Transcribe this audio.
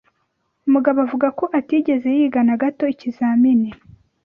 Mugabo avuga ko atigeze yiga na gato ikizamini.